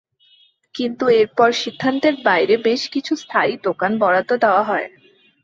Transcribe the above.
কিন্তু এরপর সিদ্ধান্তের বাইরে বেশ কিছু স্থায়ী দোকান বরাদ্দ দেওয়া হয়।